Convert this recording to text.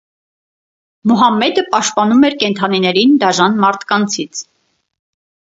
Մուհամմեդը պաշտպանում էր կենդանիներին դաժան մարդկանցից։